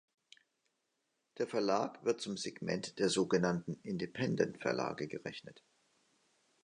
Der Verlag wird zum Segment der sogenannten Independent-Verlage gerechnet.